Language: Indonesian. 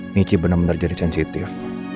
michie benar benar jadi sensitif